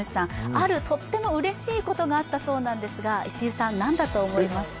あるとってもうれしいことがあったそうなんですが、石井さん、何だと思いますか？